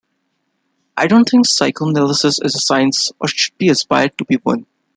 I don't think psychoanalysis is a science or should aspire to be one.